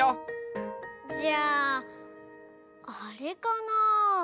じゃああれかな？